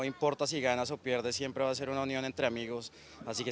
sport berhubungan dan tidak peduli apakah kamu menang atau kalah